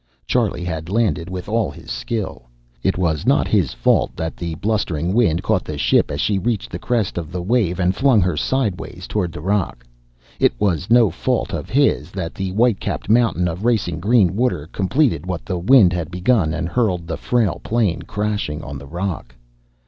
Charlie had landed with all his skill. It was not his fault that the blustering wind caught the ship as she reached the crest of the wave and flung her sidewise toward the rock. It is no fault of his that the white capped mountain of racing green water completed what the wind had begun and hurled the frail plane crashing on the rock.